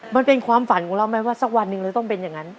มันเป็นความฝันของเราไหมว่าสักวันหนึ่งเราต้องเป็นอย่างนั้น